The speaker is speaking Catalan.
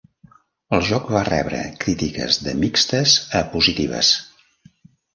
El joc va rebre crítiques de mixtes a positives.